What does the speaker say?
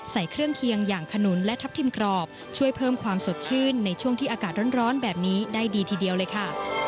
ใส่เครื่องเคียงอย่างขนุนและทับทิมกรอบช่วยเพิ่มความสดชื่นในช่วงที่อากาศร้อนแบบนี้ได้ดีทีเดียวเลยค่ะ